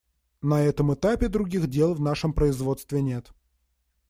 На этом этапе других дел в нашем производстве нет.